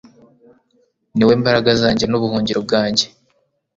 ni we mbaraga zanjye, n'ubuhungiro bwanjye